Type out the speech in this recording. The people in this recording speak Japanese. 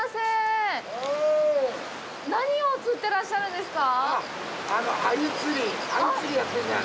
何を釣ってらっしゃるんですか？